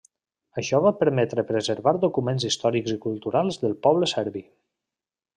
Això va permetre preservar documents històrics i culturals del poble serbi.